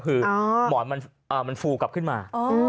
คือหมอนมันฟูกลับขึ้นมา